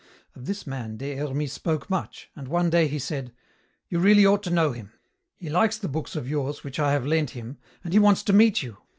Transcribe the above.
Of this man Des Hermies spoke much, and one day he said, "You really ought to know him. He likes the books of yours which I have lent him, and he wants to meet you.